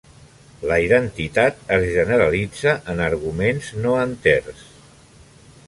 La identitat es generalitza en arguments no enters.